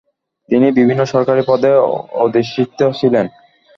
তিনি বিভিন্ন সরকারি পদে অধিষ্ঠিত ছিলেন।